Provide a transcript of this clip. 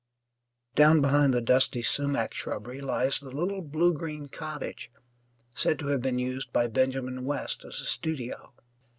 Down behind the dusty sumac shrubbery lies the little blue green cottage said to have been used by Benjamin West as a studio.